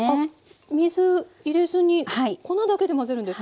水入れずに粉だけで混ぜるんですか？